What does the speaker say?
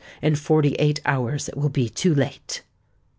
In forty eight hours it will be too late!